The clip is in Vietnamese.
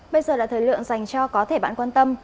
bây giờ là thời lượng dành cho có thể bạn quan tâm